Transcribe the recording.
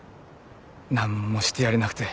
何もしてやれなくて。